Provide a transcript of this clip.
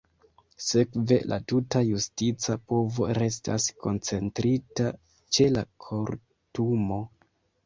Sekve la tuta justica povo restas koncentrita ĉe la Kortumo.